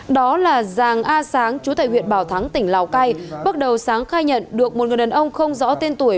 đó là giàng a sáng chú tại huyện bảo thắng tỉnh lào cai bước đầu sáng khai nhận được một người đàn ông không rõ tên tuổi